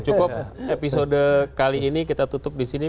cukup episode kali ini kita tutup di sini